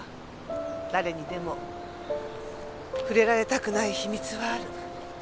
誰にでも触れられたくない秘密はある。